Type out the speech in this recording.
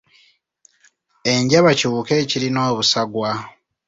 Enjaba kiwuka ekirina obusagwa.